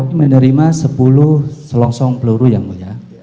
kita menerima sepuluh selongsong peluru ya mulia